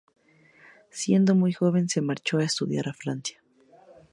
Siendo muy joven se marchó a estudiar a Francia.